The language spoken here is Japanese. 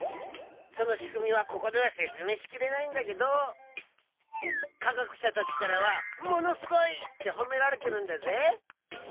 そのしくみはここではせつめいしきれないんだけどかがくしゃたちからはものすごいってほめられてるんだぜ！